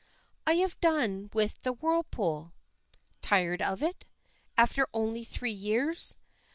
"I have done with the whirlpool." "Tired of it? After only three years?